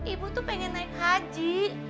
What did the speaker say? ibu tuh pengen naik haji